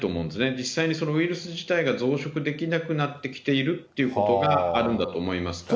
実際にそのウイルス自体が増殖できなくなってきているということがあるんだと思いますから。